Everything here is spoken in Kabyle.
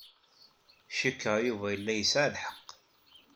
Cikkeɣ Yuba yella yesɛa lḥeqq.